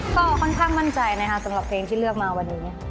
ก็ค่อนข้างมั่นใจนะคะสำหรับเพลงที่เลือกมาวันนี้